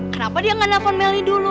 kenapa dia gak nangkon melly dulu